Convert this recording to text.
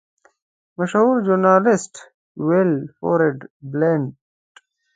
مشهور ژورنالیسټ ویلفریډ بلنټ.